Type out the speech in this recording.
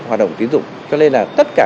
hoạt động tín dụng cho nên là tất cả